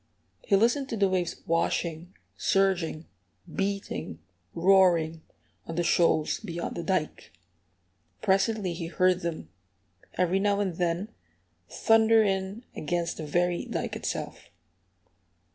He listened to the waves washing, surging, beating, roaring, on the shoals beyond the dike. Presently he heard them, every now and then, thunder in against the very dike itself.